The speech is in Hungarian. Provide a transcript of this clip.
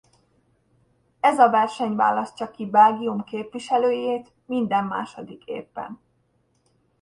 Ez a verseny választja ki Belgium képviselőjét minden második évben.